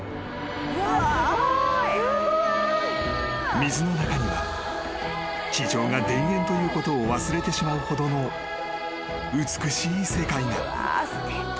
［水の中には地上が田園ということを忘れてしまうほどの美しい世界が］